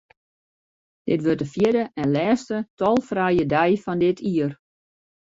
Dit wurdt de fjirde en lêste tolfrije dei fan dit jier.